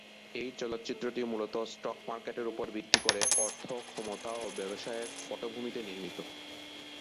এই চলচ্চিত্রটি মূলত স্টক মার্কেটের উপর ভিত্তি করে অর্থ, ক্ষমতা ও ব্যবসায়ের পটভূমিতে নির্মিত।